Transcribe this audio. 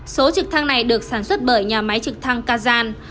số trực thăng này được sản xuất bởi nhà máy trực thăng kazan